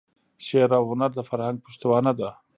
شعر او هنر د فرهنګ پشتوانه ده.